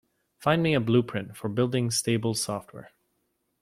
Find me a blueprint for building stable software.